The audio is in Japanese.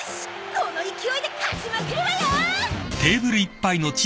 この勢いで勝ちまくるわよ！